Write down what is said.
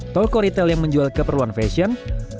tolko retail yang menjual keperluan fasilitas lainnya